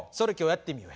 やってみよう。